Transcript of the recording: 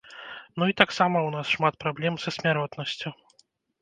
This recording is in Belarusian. Ну і таксама у нас шмат праблем са смяротнасцю.